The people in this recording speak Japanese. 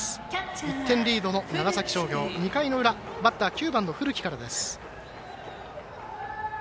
１点リードの長崎商業２回の裏、バッター９番の古木からです。